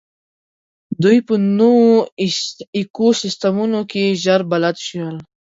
دوی په نوو ایکوسېسټمونو کې ژر بلد شول.